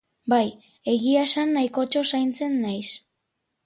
Bai, egia esan nahikotxo zaintzen naiz.